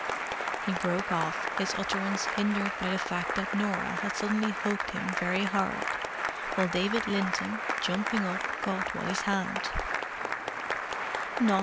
He broke off, his utterance hindered by the fact that Norah had suddenly hugged him very hard, while David Linton, jumping up, caught Wally's hand.